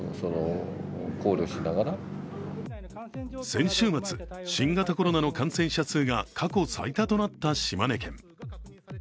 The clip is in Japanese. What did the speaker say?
先週末、新型コロナの感染者数が過去最多となった島根県。